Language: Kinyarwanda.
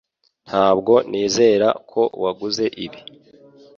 Ntabwo nizera ko waguze ibi